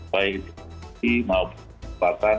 baik di ipb maupun di bapak